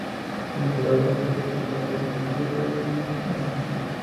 Se consagró campeón por segunda vez el Club Rubio Ñu de Asunción.